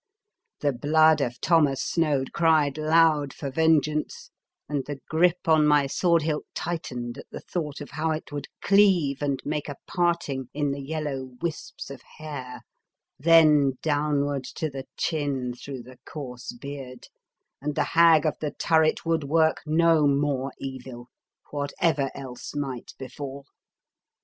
The blood of Thomas Snoad cried loud for vengeance, and the grip on my sword hilt tightened at the thought of how it would cleave and make a part ing in the yellow wisps of hair, then downward to the chin through the coarse beard — and the Hag of the Turret would work no more evil, what ever else might befall.